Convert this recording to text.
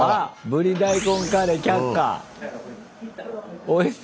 ブリ大根カレー却下。